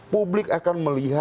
publik akan melihat